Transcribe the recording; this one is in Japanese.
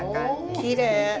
きれい。